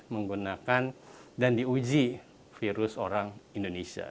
menggunakan dan diuji virus orang indonesia